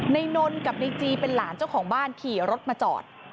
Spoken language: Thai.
นนกับในจีเป็นหลานเจ้าของบ้านขี่รถมาจอด